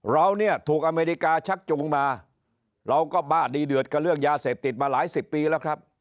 เราเนี่ยถูกอเมริกาชักจูงมาเราก็บ้าดีเดือดกับเรื่องยาเสพติดมาหลายสิบปีแล้วครับ